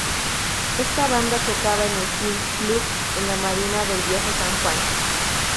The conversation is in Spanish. Esta banda tocaba en el "King Club" en la Marina del Viejo San Juan.